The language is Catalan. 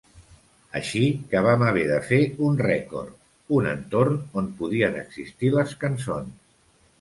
Així que vam haver de fer un rècord, un entorn on podien existir les cançons.